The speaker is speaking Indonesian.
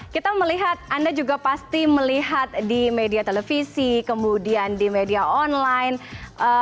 kita melihat anda juga pasti melihat di media televisi kemudian di media online